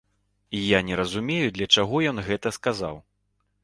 Я не разумею для чаго ён гэта сказаў.